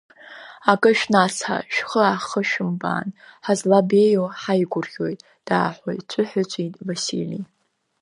Акы шәнацҳа, шәхы ахыжәымбаан, ҳазлабеиоу ҳаигәырӷьоит, дааҳәыҵәыҳәыҵәит Васили.